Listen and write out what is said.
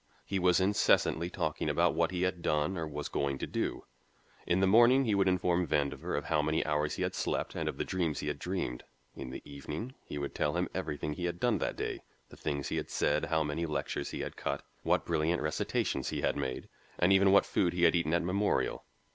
He was incessantly talking about what he had done or was going to do. In the morning he would inform Vandover of how many hours he had slept and of the dreams he had dreamed. In the evening he would tell him everything he had done that day; the things he had said, how many lectures he had cut, what brilliant recitations he had made, and even what food he had eaten at Memorial.